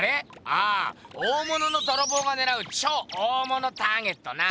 ああ大物のどろぼうがねらう超大物ターゲットな！